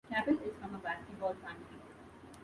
Capel is from a basketball family.